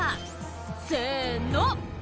「せの！」